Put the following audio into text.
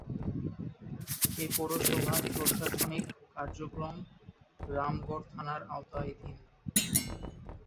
এ পৌরসভার প্রশাসনিক কার্যক্রম রামগড় থানার আওতাধীন।